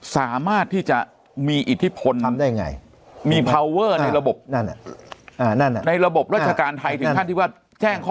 สามารถที่จะมีอิทธิพลทำได้ไงมีพาวเวอร์ในระบบนั่นในระบบราชการไทยถึงขั้นที่ว่าแจ้งข้อ